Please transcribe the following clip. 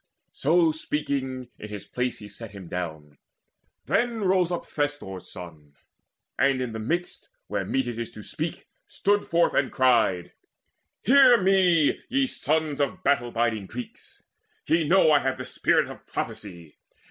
So speaking, in his place he sat him down; Then rose up Thestor's son, and in the midst, Where meet it is to speak, stood forth and cried: "Hear me, ye sons of battle biding Greeks: Ye know I have the spirit of prophecy.